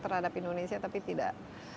terhadap indonesia tapi tidak